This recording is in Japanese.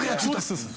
そうです。